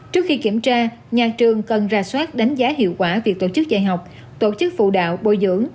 trước khi kiểm tra nhà trường cần ra soát đánh giá hiệu quả việc tổ chức dạy học tổ chức phụ đạo bồi dưỡng